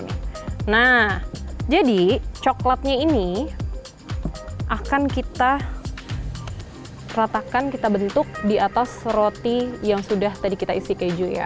nah jadi coklatnya ini akan kita ratakan kita bentuk di atas roti yang sudah tadi kita isi keju ya